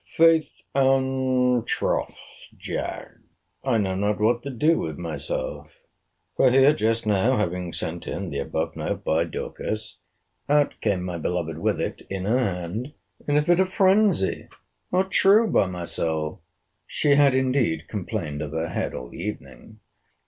Faith and troth, Jack, I know not what to do with myself; for here, just now having sent in the above note by Dorcas, out came my beloved with it in her hand, in a fit of phrensy!—true, by my soul! She had indeed complained of her head all the evening.